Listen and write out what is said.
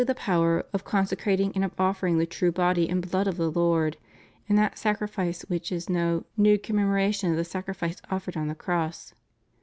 401 the power " of consecrating and of offering the true body and blood of the Lord*' ^ in that sacrifice which is no "nude com memoration of the sacrifice offered on the Cross.